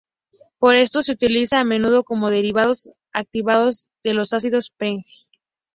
Por esto se utilizan a menudo como derivados activados de los ácidos, p.ej.